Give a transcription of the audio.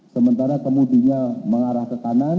sementara kemudinya mengarah ke kanan